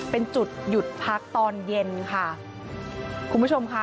เป็นจุดหยุดพักตอนเย็นค่ะคุณผู้ชมค่ะ